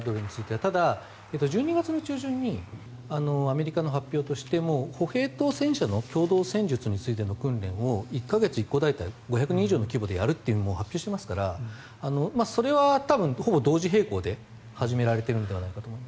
ただ、１２月上旬にアメリカの発表としても歩兵と戦車の共同戦術に関しての訓練を１か月１個大隊５００人以上の規模でやると発表していますからそれはほぼ同時並行で始められているんじゃないかと思います。